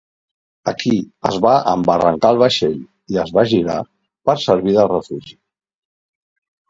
Aquí es va embarrancar el vaixell i es va girar per servir de refugi.